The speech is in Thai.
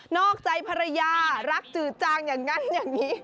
อกใจภรรยารักจืดจางอย่างนั้นอย่างนี้